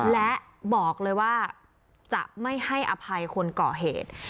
และบอกเลยว่าจะไม่ให้อภัยคนก่อเหตุ